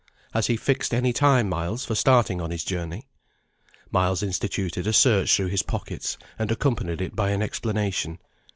"Has he fixed any time, Miles, for starting on his journey?" Miles instituted a search through his pockets, and accompanied it by an explanation.